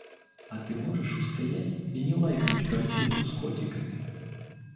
А ты можешь устоять и не лайкнуть картинку с котиками?